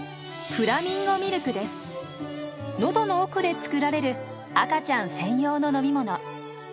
喉の奥で作られる赤ちゃん専用の飲み物。